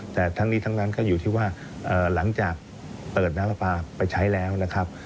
แต่ทั้งนี้ทั้งนั้นก็อยู่ที่ว่าหลังจากเปิดน้ำปลาปลาไปใช้แล้วนะครับ